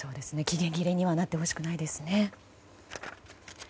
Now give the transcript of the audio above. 期限切れにはなってほしくないですね。